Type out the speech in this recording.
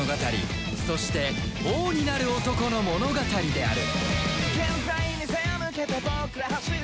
そして王になる男の物語である